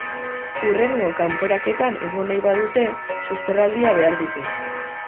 Hurrengo kanporaketan egon nahi badute susperraldia behar dute.